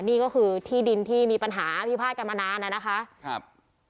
นี่ก็คือที่ดินที่มีปัญหาพิพาทกันมานานน่ะนะคะครับ